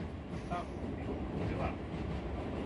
It is the fourth-smallest county in Georgia by area.